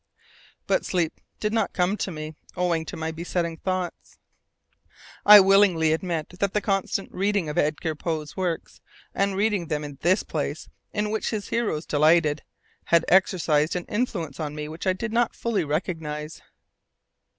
But sleep did not come to me, owing to my besetting thoughts. I willingly admit that the constant reading of Edgar Poe's works, and reading them in this place in which his heroes delighted, had exercised an influence on me which I did not fully recognize.